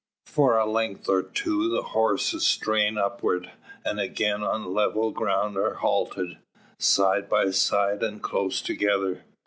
For a length or two the horses strain upward; and again on level ground are halted, side by side and close together.